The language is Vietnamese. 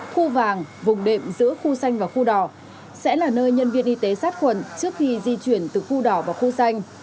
khu vàng vùng đệm giữa khu xanh và khu đỏ sẽ là nơi nhân viên y tế sát khuẩn trước khi di chuyển từ khu đỏ vào khu xanh